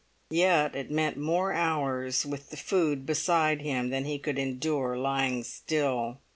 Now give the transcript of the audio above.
Yet it meant more hours with the food beside him than he could endure lying still.